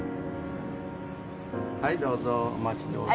はいどうぞお待ちどおさま